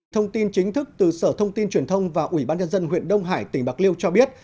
thông tin chính thức từ sở thông tin truyền thông và ủy ban nhân dân huyện đông hải tỉnh bạc liêu cho biết